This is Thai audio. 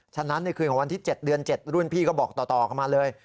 ฉะนั้นในคืนของวันที่๗เดือน๗รุ่นพี่ก็บอกต่อกันมาเลย